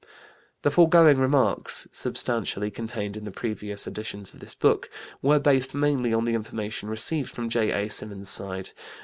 The foregoing remarks (substantially contained in the previous editions of this book) were based mainly on the information received from J.A. Symonds's side.